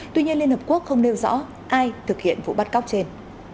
tuy nhiên liên hợp quốc không nêu rõ ai thực hiện vụ bắt cóc trên